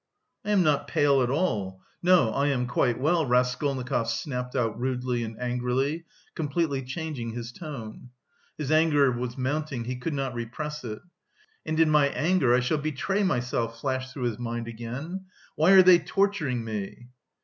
"I am not pale at all.... No, I am quite well," Raskolnikov snapped out rudely and angrily, completely changing his tone. His anger was mounting, he could not repress it. "And in my anger I shall betray myself," flashed through his mind again. "Why are they torturing me?"